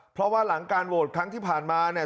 เพราะว่าหลังการโหวตครั้งที่ผ่านมาเนี่ย